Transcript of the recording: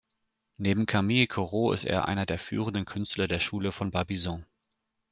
Neben Camille Corot ist er einer der führenden Künstler der Schule von Barbizon.